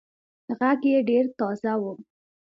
غږ يې ډېر تازه وو.